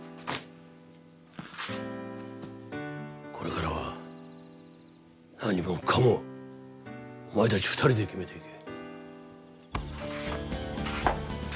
これからは何もかもお前たち２人で決めていけ。